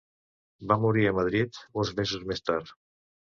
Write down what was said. Va morir a Madrid uns mesos més tard.